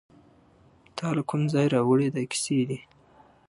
تاله کوم ځایه راوړي دا کیسې دي